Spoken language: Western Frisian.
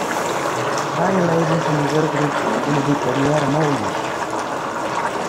Trije leden fan dy wurkgroep binne diplomearre moolner.